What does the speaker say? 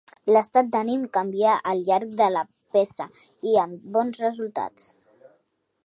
L'estat d'ànim canvia al llarg de la peça i amb bons resultats.